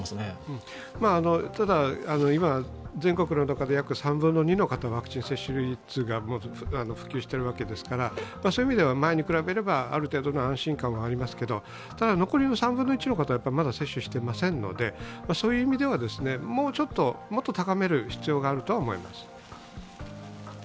今、全国の中で約３分の２の方がワクチン接種率が普及しているわけですからそういう意味では前に比べればある程度の安心感はありますが残りの３分の１の方はまだ接種してませんのでそういう意味では、もっと高める必要があると思います。